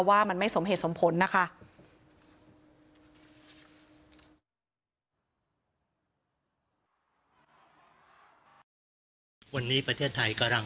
ว่ามันไม่สมเหตุสมผลนะคะ